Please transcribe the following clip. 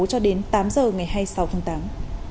cho đến tám giờ ngày hai mươi sáu tháng tám